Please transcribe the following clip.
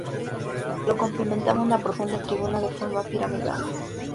Lo complementaba una profunda tribuna de forma piramidal.